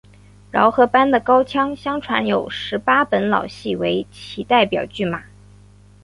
饶河班的高腔相传有十八本老戏为其代表剧码。